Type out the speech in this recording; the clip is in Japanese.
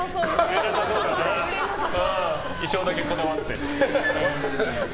衣装だけこだわって。